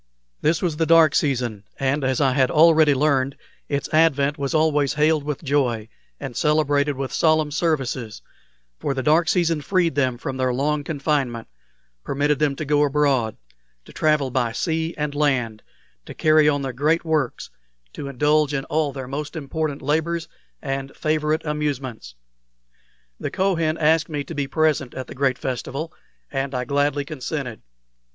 This was the dark season, and, as I had already learned, its advent was always hailed with joy and celebrated with solemn services, for the dark season freed them from their long confinement, permitted them to go abroad, to travel by sea and land, to carry on their great works, to indulge in all their most important labors and favorite amusements. The Kohen asked me to be present at the great festival, and I gladly consented.